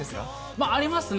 まあ、ありますね。